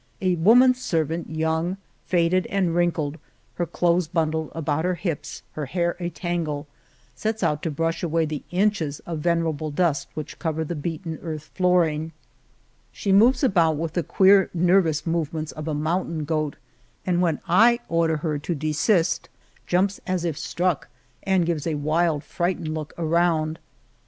A woman servant, young, faded, and wrinkled, her clothes bundled about her hips, her hair a tangle, sets out to brush away the inches of venerable dust which cover the beaten earth flooring. She moves about with the queer, nervous movements of a mountain goat, and, when I order her to desist, jumps 69 The Cave of Montesinos as if struck and gives a wild, frightened look around.